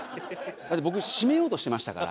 だって僕締めようとしてましたから。